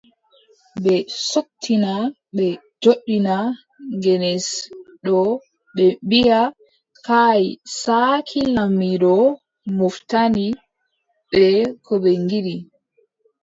Ɓe sottina, ɓe joɗɗina genes ɗo ɓe mbiaʼa : kay saaki laamiiɗo moftani ɓe ko ɓe ngiɗi.